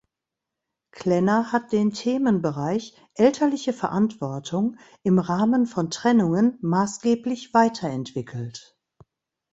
Klenner hat den Themenbereich "elterliche Verantwortung" im Rahmen von Trennungen maßgeblich weiterentwickelt.